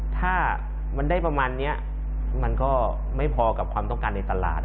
ถ้ามันได้ประมาณนี้มันก็ไม่พอกับความต้องการในตลาด